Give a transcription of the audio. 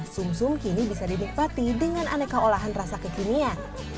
sum sum kini bisa dinikmati dengan aneka olahan rasa kekinian